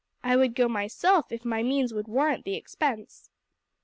I would go myself if my means would warrant the expense."